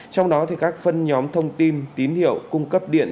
trong đó các phân nhóm thông tin tín hiệu cung cấp điện